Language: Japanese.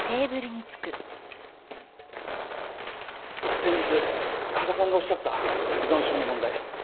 先日羽賀さんがおっしゃった依存症の問題。